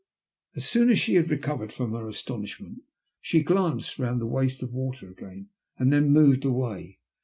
As soon as she had recovered from her astonish ment she glanced round the waste of water again and then moved away.